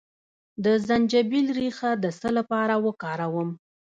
د زنجبیل ریښه د څه لپاره وکاروم؟